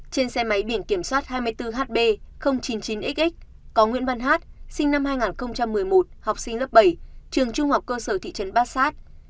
trên xe máy biển kiểm soát hai mươi bốn hb chín mươi chín x có nguyễn văn hát sinh năm hai nghìn một mươi một học sinh lớp bảy trường trung học cơ sở thị trấn bát sát